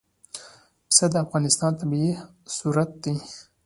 پسه د افغانستان طبعي ثروت دی.